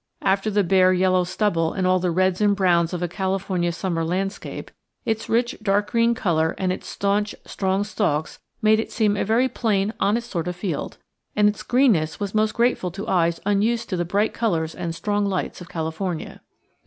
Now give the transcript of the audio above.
After the bare yellow stubble and all the reds and browns of a California summer landscape, its rich dark green color and its stanch, strong stalks made it seem a very plain honest sort of field, and its greenness was most grateful to eyes unused to the bright colors and strong lights of California.